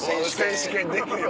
選手権できるよ。